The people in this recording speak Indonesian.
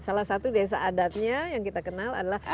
salah satu desa adatnya yang kita kenal adalah